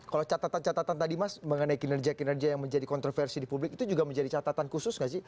kalau catatan catatan tadi mas mengenai kinerja kinerja yang menjadi kontroversi di publik itu juga menjadi catatan khusus nggak sih